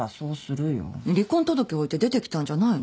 離婚届置いて出てきたんじゃないの？